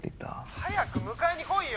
☎早く迎えに来いよ！